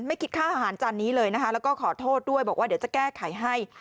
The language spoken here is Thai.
ไม่คิดค่าอาหารจานนี้เลยนะคะแล้วก็ขอโทษด้วยบอกว่าเดี๋ยวจะแก้ไขให้